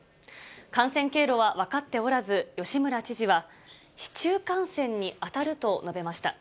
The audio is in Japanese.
感染経路は分かっておらず、吉村知事は、市中感染に当たると述べました。